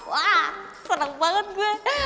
wah seneng banget gue